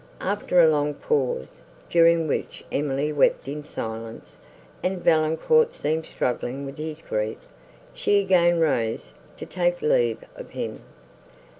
After a long pause, during which Emily wept in silence, and Valancourt seemed struggling with his grief, she again rose to take leave of him.